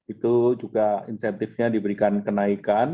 itu juga insentifnya diberikan kenaikan